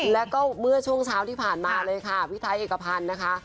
แล้วก็เมื่อช่วงเช้าที่ผ่านมาเลยค่ะพี่ไทยเอกพันธ์นะคะ